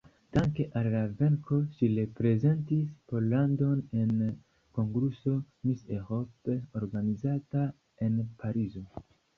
Danke al la venko ŝi reprezentis Pollandon en konkurso Miss Europe organizata en Parizo.